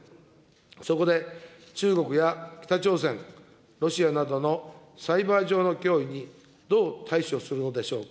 そこで中国や北朝鮮、ロシアなどのサイバー上の脅威にどう対処するのでしょうか。